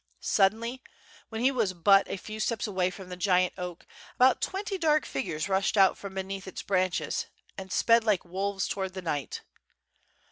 Suddenly, when he was but a few steps away from the giant oak, about twenty dark figures rushed out from beneath its branches, and sped like woives towards the knight.